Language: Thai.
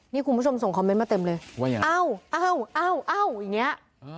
นี่คุณผู้ชมส่งคอมเมนต์มาเต็มเลยเอ้าอย่างนี้